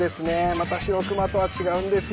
また白熊とは違うんですよ。